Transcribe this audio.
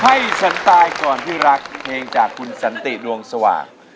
ให้ฉันตายก่อนที่รักเพลงจากคุณสันติดวงสว่าง